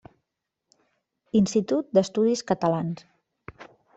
Institut d'Estudis Catalans.